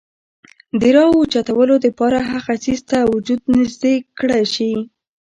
راوچتولو د پاره هغه څيز ته وجود نزدې کړے شي ،